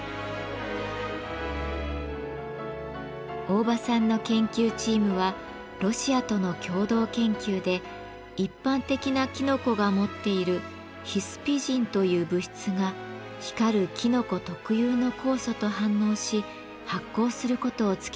大場さんの研究チームはロシアとの共同研究で一般的なきのこが持っている「ヒスピジン」という物質が光るきのこ特有の酵素と反応し発光することを突き止めました。